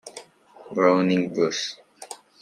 Browning wz.